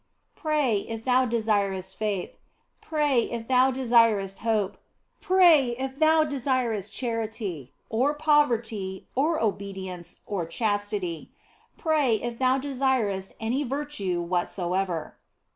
Pray, if thou desirest faith ; pray if thou desirest hope ; pray if thou desirest charity, or poverty, or obedience, or chastity ; pray if thou desirest any virtue whatsoever.